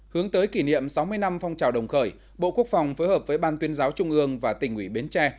hướng tới kỷ niệm sáu mươi năm phong trào đồng khởi bộ quốc phòng phối hợp với ban tuyên giáo trung ương và tỉnh ủy bến tre